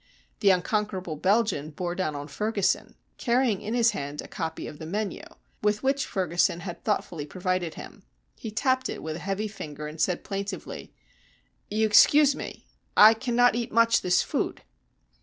The Unconquerable Belgian bore down on Ferguson, carrying in his hand a copy of the menu, with which Ferguson had thoughtfully provided him. He tapped it with a heavy finger and said plaintively: "You excuse me. I cannot eat moch this food."